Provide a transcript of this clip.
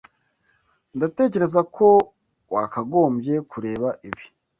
Ndatekereza ko wakagombye kureba ibi.